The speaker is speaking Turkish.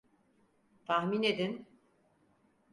Tahmin edin.